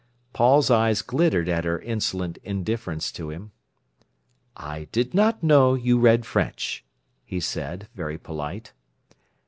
Paul's eyes glittered at her insolent indifference to him. "I did not know you read French," he said, very polite.